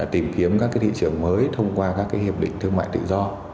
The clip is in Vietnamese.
tìm kiếm các thị trường mới thông qua các hiệp định thương mại tự do